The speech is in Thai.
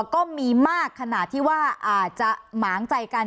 ก็มีมากขนาดที่ว่าอาจจะหมางใจกัน